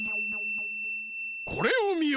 これをみよ！